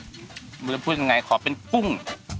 ไม่รู้ว่าจะพูดยังไงขอเป็นปุ้ง